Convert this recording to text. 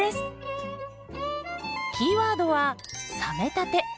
キーワードは「冷めたて」。